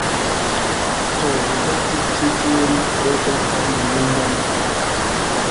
Ho, rigardu ĉi tiun tre etan lindan benkon!